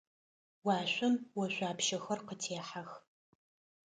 Уашъом ошъуапщэхэр къытехьэх.